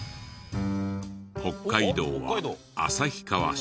北海道は旭川市。